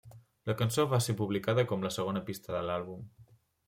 La cançó va ser publicada com la segona pista de l'àlbum.